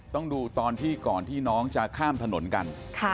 ต้องดูตอนที่ก่อนที่น้องจะข้ามถนนกัน